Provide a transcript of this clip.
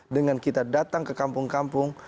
dengan kita datang ke kampung kampung